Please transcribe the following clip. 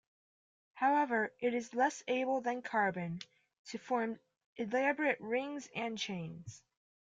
However, it is less able than carbon to form elaborate rings and chains.